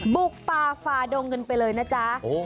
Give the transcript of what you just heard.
บุกป่าฝ่าดงกันไปเลยนะจ๊ะ